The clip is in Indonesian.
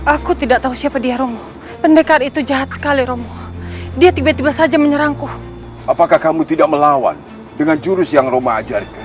aku tidak tahu siapa dia romo pendekar itu jahat sekali romo dia tiba tiba saja menyerangku apakah kamu tidak melawan dengan jurus yang roma ajarkan